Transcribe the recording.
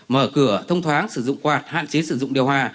mở cửa thông thoáng sử dụng quạt hạn chế sử dụng điều hòa